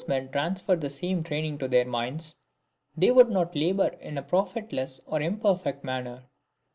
men transferred the same training to their minds they would not labour in a profitless or imperfect manner.